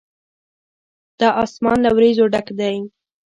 دا آسمان له وريځو ډک دی.